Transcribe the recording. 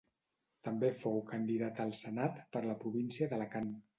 També fou candidat al Senat per la província d'Alacant.